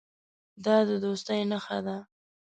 دا د دوستۍ نښه ده.